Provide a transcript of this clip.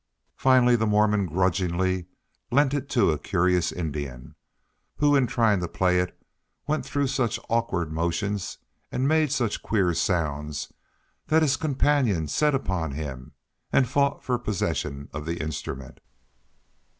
Finally the Mormon grudgingly lent it to a curious Indian, who in trying to play it went through such awkward motions and made such queer sounds that his companions set upon him and fought for possession of the instrument.